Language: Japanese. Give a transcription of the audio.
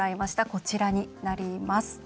こちらになります。